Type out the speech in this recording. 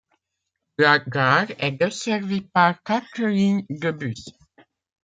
La gare est desservie par quatre lignes de bus.